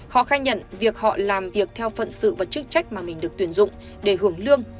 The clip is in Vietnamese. họ khai nhận việc họ làm việc theo phận sự và chức trách mà mình được tuyển dụng để hưởng lương